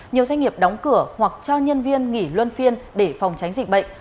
nhiều doanh nghiệp đóng cửa hoặc cho nhân viên nghỉ luân phiên để phòng tránh dịch bệnh